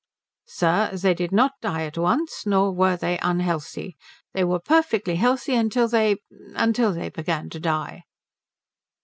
"Sir, they did not die at once, nor were they unhealthy. They were perfectly healthy until they until they began to die."